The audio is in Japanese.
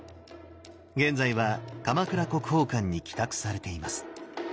現在は鎌倉国宝館に寄託されています。